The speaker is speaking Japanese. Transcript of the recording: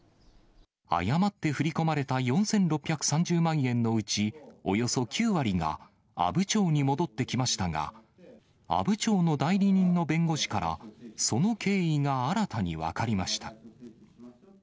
誤って振り込まれた４６３０万円のうち、およそ９割が阿武町に戻ってきましたが、阿武町の代理人の弁護士から、その経緯が新たに分かりました。